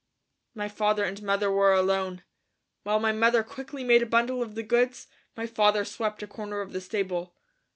My father and mother were alone. While my mother quickly made a bundle of the goods, my father swept a corner of the stable.